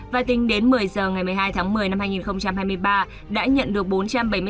và tính đến một mươi h ngày một mươi hai tháng một mươi năm hai nghìn hai mươi ba